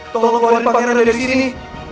tolong keluarin bang erang dari sini